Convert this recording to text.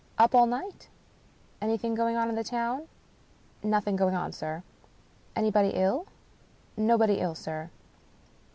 " Up all night ? Anything going on in the town ?"" Nothing going on, sir." "Anybody ill?" " Nobody ill, sir."